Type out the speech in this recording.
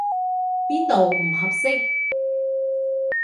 邊度唔合適？